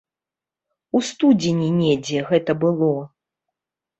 У студзені недзе гэта было.